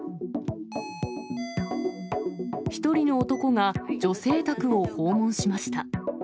１人の男が女性宅を訪問しました。